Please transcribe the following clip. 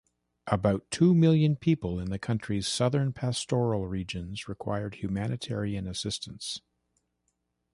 About two million people in the country's southern pastoral regions required humanitarian assistance.